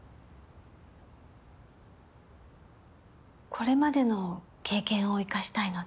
これまでの経験を生かしたいので。